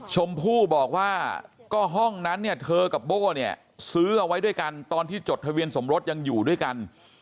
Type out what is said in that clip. ชมพู่บอกว่าก็ห้องนั้นเนี่ยเธอกับโบ้เนี่ยซื้อเอาไว้ด้วยกันตอนที่จดทะเบียนสมรสยังอยู่ด้วยกัน